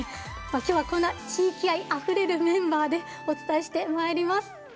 今日は、こんな地域愛あふれるメンバーでお伝えしてまいります。